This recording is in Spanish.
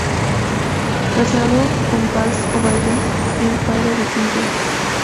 Casado con Paz Ovalle, era padre de cinco hijos.